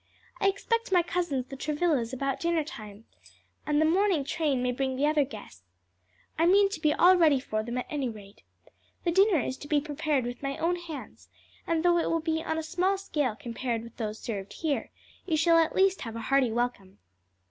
"I expect my cousins the Travillas about dinner time, and the morning train may bring the other guests. I mean to be all ready for them at any rate. The dinner is to be prepared with my own hands, and though it will be on a small scale compared with those served here, you shall at least have a hearty welcome."